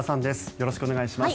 よろしくお願いします。